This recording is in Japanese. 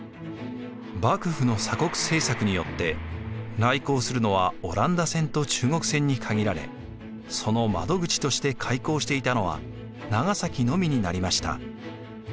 幕府の鎖国政策によって来航するのはオランダ船と中国船に限られその窓口として開港していたのは長崎のみになりました。